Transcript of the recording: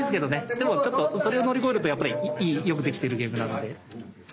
でもちょっとそれを乗り越えるとやっぱりよくできてるゲームなので。